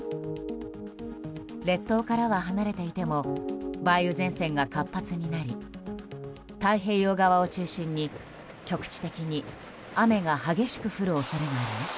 列島からは離れていても梅雨前線が活発になり太平洋側を中心に、局地的に雨が激しく降る恐れがあります。